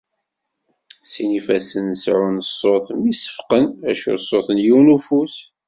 Sin ifassen seεεun ṣṣut mi seffqen. Acu d ṣṣut n yiwen ufus?